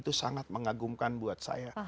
itu sangat mengagumkan buat saya